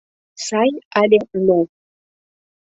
«Сай» але «но»?